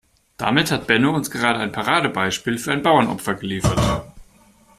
Damit hat Benno uns gerade ein Paradebeispiel für ein Bauernopfer geliefert.